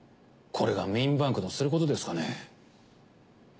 これがメインバンクのすることですかね。